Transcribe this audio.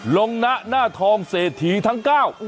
ลงณะณธองเสถียร์ทั้ง๙